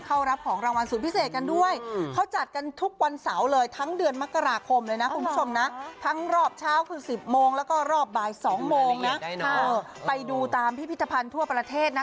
กรอบบ่าย๒โมงนะไปดูตามพิพิธภัณฑ์ทั่วประเทศนะ